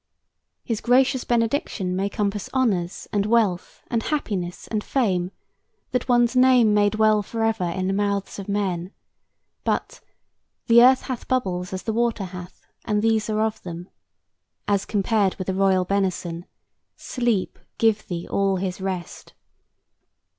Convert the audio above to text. His gracious benediction may compass honors and wealth and happiness and fame, that one's "name may dwell forever in the mouths of men;" but "The earth hath bubbles as the water hath, And these are of them," as compared with the royal benison, "Sleep give thee all his rest."